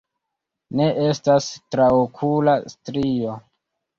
Ne estas traokula strio.